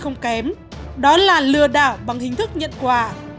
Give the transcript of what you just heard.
không kém đó là lừa đảo bằng hình thức nhận quà